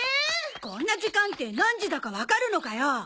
こんな時間って何時だかわかるのかよ？